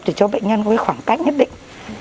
để cho bệnh nhân có cái khoảng cách nhất định